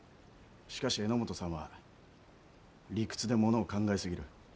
しかし榎本さんは理屈でものを考えすぎる。